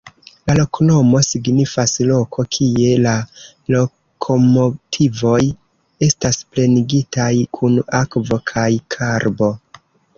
La loknomo signifas: loko, kie la lokomotivoj estas plenigitaj kun akvo kaj karbo.